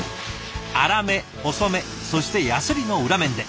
粗め細めそしてやすりの裏面で。